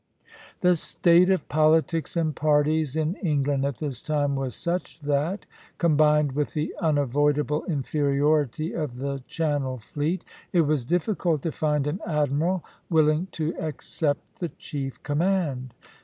The state of politics and parties in England at this time was such that, combined with the unavoidable inferiority of the Channel fleet, it was difficult to find an admiral willing to accept the chief command.